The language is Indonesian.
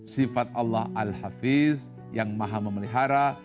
sifat allah al hafiz yang maha memelihara